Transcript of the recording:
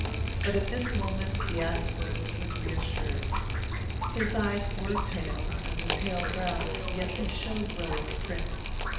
But at this moment the aspirant was reassured. His eyes were pale, under pale brows, yet they showed well in the prints.